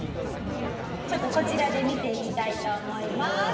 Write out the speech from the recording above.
ちょっとこちらで見ていきたいと思います！